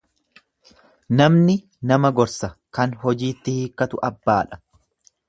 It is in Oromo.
Namni nama gorsa kan hojiitti hiikkatu abbaadha.